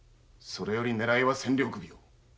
それより狙いは千両首よ。